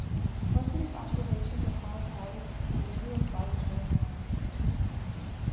Most of his observations of falling bodies were really of bodies rolling down ramps.